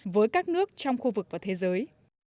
với các nước trong khu vực và thế giới